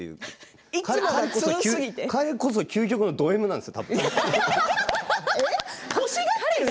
彼こそ究極のドＭなんですよ。